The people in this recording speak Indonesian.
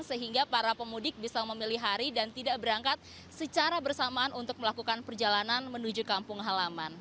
sehingga para pemudik bisa memilih hari dan tidak berangkat secara bersamaan untuk melakukan perjalanan menuju kampung halaman